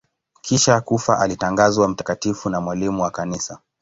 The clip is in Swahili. Kisha kufa alitangazwa mtakatifu na mwalimu wa Kanisa.